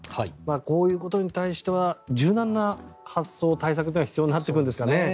こういうことに対しては柔軟な発想、対策が必要になってくるんですかね。